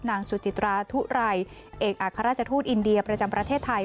นางสุจิตราทุไรเอกอัครราชทูตอินเดียประจำประเทศไทย